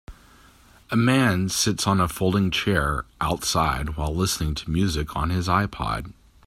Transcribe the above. A man sits on a folding chair outside while listening to music on his iPod.